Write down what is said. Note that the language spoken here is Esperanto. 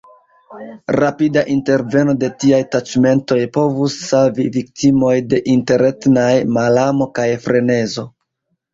Rapida interveno de tiaj taĉmentoj povus savi viktimojn de interetnaj malamo kaj frenezo.